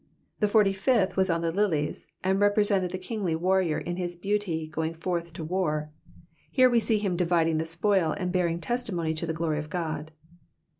The forty fifth was on the lilies, and represented the kingly warrior in his beauty going forth to war ; here ice see him dividing the spoil and bearing testimony to the glory of God.